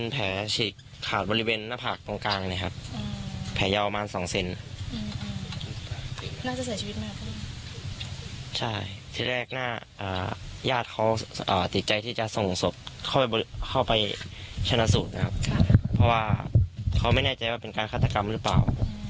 เพราะว่าเขาไม่แน่ใจว่าเป็นการฆาตกรรมหรือเปล่า